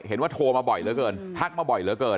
โทรมาบ่อยเหลือเกินทักมาบ่อยเหลือเกิน